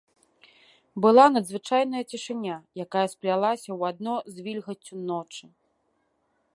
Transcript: Была надзвычайная цішыня, якая сплялася ў адно з вільгаццю ночы.